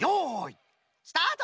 スタート！